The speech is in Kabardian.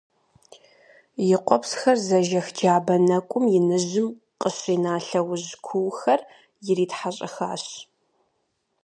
И къуэпсхэр зэжэх джабэ нэкӀум иныжьым къыщина лъэужь куухэр иритхьэщӀэхащ.